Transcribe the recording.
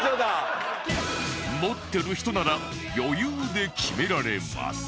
持ってる人なら余裕で決められます